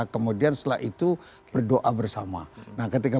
kemudian setelah itu berdoa bersama nah ketika berdoa bersama ada berapa